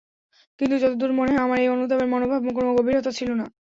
কিন্তু যতদূর মনে হয় আমার এই অনুতাপের মনোভাবে কোনো গভীরতা ছিল না।